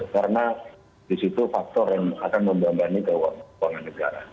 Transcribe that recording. karena disitu faktor yang akan membanggani keuangan negara